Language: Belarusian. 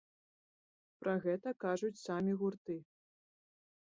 Пра гэта кажуць самі гурты.